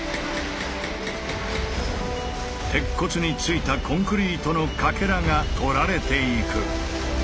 鉄骨についたコンクリートのかけらが取られていく。